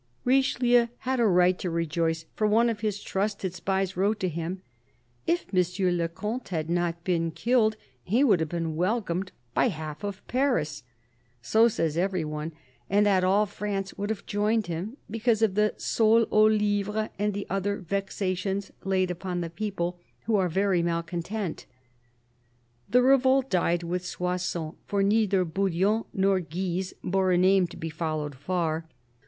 Richelieu had a right to rejoice, for one of his trusted spies wrote to him :" If M. le Comte had not been killed, he would have been welcomed by the half of Paris ... so says every one ... and that all France would have joined him, because of the sol au livre and the other vexations laid upon the people, who are very malcontent." The revolt died with Soissons, for neither Bouillon nor Guise bore a name to be followed far.